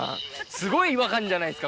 すごい違和感じゃないですか？